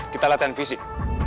kita latihan fisik